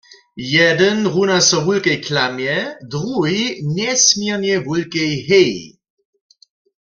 Jedyn runa so wulkej klamje, druhi njesměrnje wulkej heji.